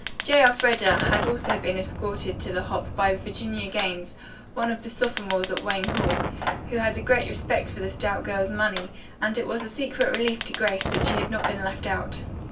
J. Elfreda had also been escorted to the hop by Virginia Gaines, one of the sophomores at Wayne Hall, who had a great respect for the stout girl's money, and it was a secret relief to Grace that she had not been left out.